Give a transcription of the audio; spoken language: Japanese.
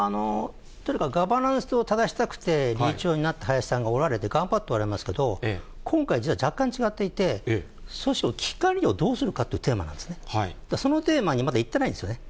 とにかくガバナンスをただしたくて理事長になった林さんがおられて、頑張っておられますけれども、今回、実は若干違っていて、組織を危機管理上、どうするかというテーマですね、そのテーマにまだいってないんですよね。